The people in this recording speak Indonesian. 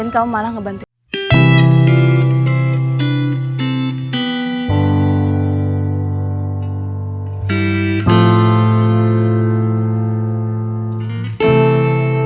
kamu sangat mencintai mas al kan